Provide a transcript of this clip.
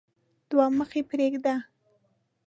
دوه مخي پريږدي.